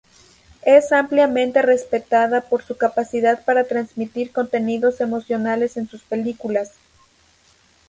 Es ampliamente respetada por su capacidad para transmitir contenidos emocionales en sus películas.